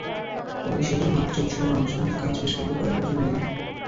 পরে সেতুর মাপজোখসহ আনুষঙ্গিক কাজ শেষ করতে কয়েক বছর লেগে যায়।